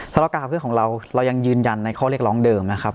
สำหรับการหาเพื่อนของเราเรายังยืนยันในข้อเรียกร้องเดิมนะครับ